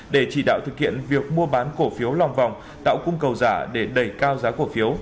để chỉ đạo thực hiện việc mua bán cổ phiếu lòng vòng tạo cung cầu giả để đẩy cao giá cổ phiếu